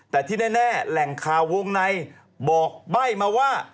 แต่ที่แน่แหล่งข่าววงในบอกใบ้มาว่า